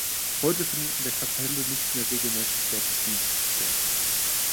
Heute findet in der Kapelle nicht mehr regelmäßig Gottesdienst statt.